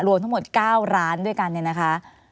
รวมทั้งหมด๙ร้านด้วยกันเนี่ยนะคะ